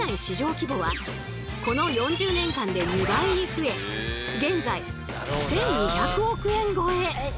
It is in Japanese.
規模はこの４０年間で２倍に増え現在１，２００億円超え。